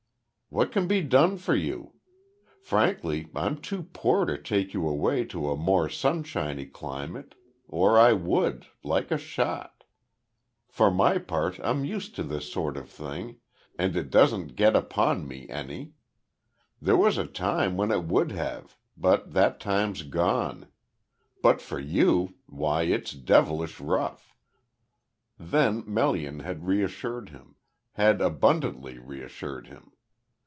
"What can be done for you? Frankly I'm too poor to take you away to a more sunshiny climate or I would, like a shot. For my part I'm used to this sort of thing, and it doesn't `get upon' me any. There was a time when it would have, but that time's gone. But for you why it's devilish rough." Then Melian had reassured him had abundantly reassured him.